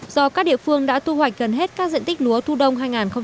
do các địa phương đã thu hoạch gần hết các diện tích lúa thu đông hai nghìn hai mươi